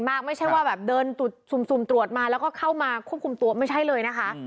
ไม่ใช่ว่าแบบเดินสุ่มตรวจมาแล้วก็เข้ามาควบคุมตัวไม่ใช่เลยนะคะ